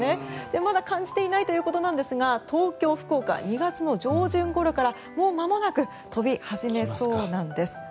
まだ感じていないということなんですが東京、福岡、２月上旬ごろからもうまもなく飛び始めそうなんです。